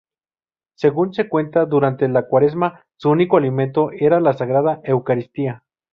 Según se cuenta, durante la cuaresma, su único alimento era la Sagrada Eucaristía.